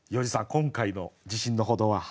今回の自信のほどは？